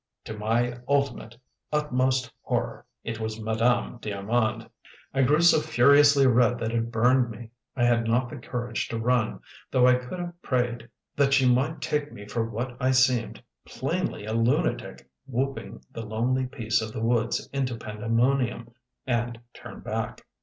To my ultimate, utmost horror, it was Madame d'Armand. I grew so furiously red that it burned me. I had not the courage to run, though I could have prayed that she might take me for what I seemed plainly a lunatic, whooping the lonely peace of the woods into pandemonium and turn back.